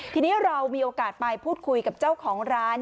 ทีนี้เรามีโอกาสไปพูดคุยกับเจ้าของร้าน